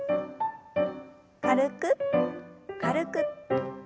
軽く軽く。